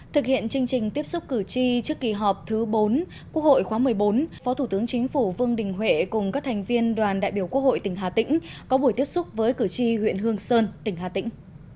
thực hiện chương trình tiếp xúc cử tri trước kỳ họp thứ bốn quốc hội khóa một mươi bốn phó thủ tướng chính phủ vương đình huệ cùng các thành viên đoàn đại biểu quốc hội tỉnh hà tĩnh có buổi tiếp xúc với cử tri huyện hương sơn tỉnh hà tĩnh